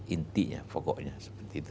intinya pokoknya seperti itu